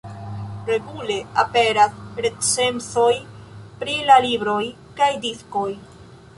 Regule aperas recenzoj pri la libroj kaj diskoj.